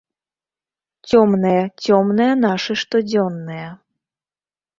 Цёмныя, цёмныя нашы штодзённыя.